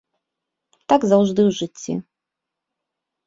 Так заўжды ў жыцці.